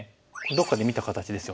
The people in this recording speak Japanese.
どっかで見た形ですよね。